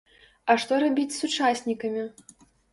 А што рабіць з сучаснікамі?